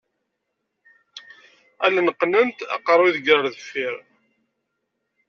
Allen qqnent aqerru iḍegger ɣer deffir.